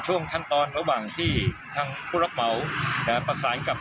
จะมีแบดพุ่มให้ไว้นะครับ